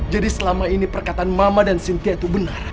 jadi selama ini perkataan mama dan cynthia itu benar